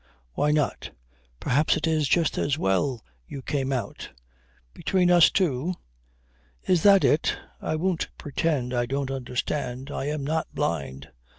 Why not. Perhaps it is just as well you came out. Between us two? Is that it? I won't pretend I don't understand. I am not blind.